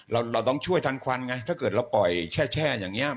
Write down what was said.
เราต้องช่วยทันควันไงถ้าเกิดเราปล่อยแช่อย่างนี้